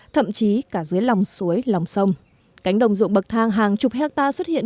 thậm chí cả dưới lòng suối lòng sông cánh đồng ruộng bậc thang hàng chục hectare xuất hiện